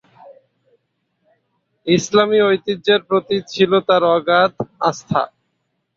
ইসলামি ঐতিহ্যের প্রতি ছিল তার অগাধ আস্থা।